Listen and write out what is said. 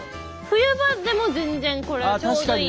冬場でも全然これちょうどいい。